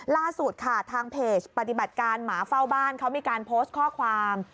ล่าสุดค่ะทางเพจปฏิบัติการหมาเฝ้าบ้านเขามีการโพสต์ข้อความ